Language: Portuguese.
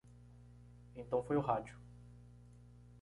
Então foi o rádio.